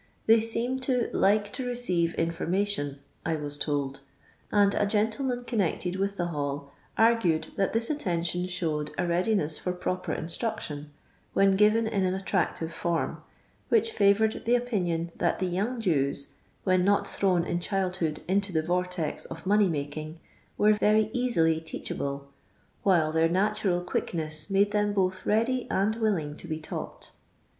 They seem "to like to receive infomm * tinn," I was told ; and a gentleman connected with the hall argued that this attention thowed a readiness for proper instruction, when given in an attractive form, which favoured the opinion that the young Jews, when not thrown in childhood into the vortex of money making, were very easily teachable, while their natural quickness made them both ready and willing to be taught.